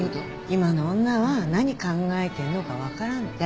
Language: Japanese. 今の女は何考えてんのか分からんって。